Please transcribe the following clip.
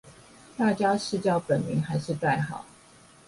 大家是叫本名還是代號